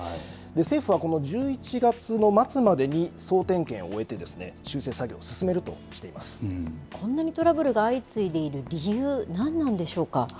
政府は、この１１月の末までに総点検を終えてこんなにトラブルが相次いでいる理由なんなんでしょうか。